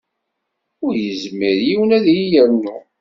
Ur yezmir yiwen ad iyi-yernu.